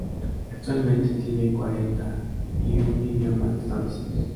Actualmente tiene cuarenta y un idiomas establecidos.